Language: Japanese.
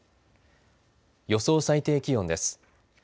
予想最低気温です。